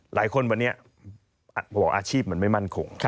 หลายคนวันนี้บอกอาชีพมันไม่มั่นคง